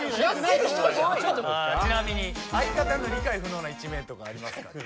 ちなみに相方の理解不能な一面とかありますか？